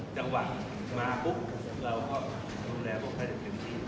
จังหวะมาปุ๊บเราก็ดูแลบอกให้อย่างเงินที่